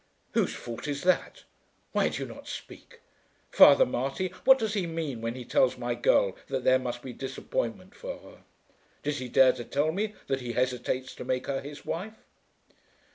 "Whose fault is that? Why do you not speak? Father Marty, what does he mean when he tells my girl that there must be disappointment for her? Does he dare to tell me that he hesitates to make her his wife?"